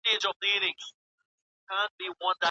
ژورنالیزم پوهنځۍ په خپلواکه توګه نه اداره کیږي.